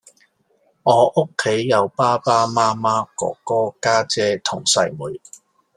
我屋企有爸爸媽媽，哥哥，家姐同細妹